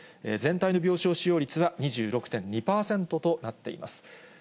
全体の病床使用率は２６．２％となっています。